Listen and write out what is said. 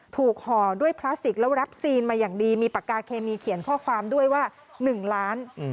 ห่อด้วยพลาสติกแล้วรับซีนมาอย่างดีมีปากกาเคมีเขียนข้อความด้วยว่า๑ล้าน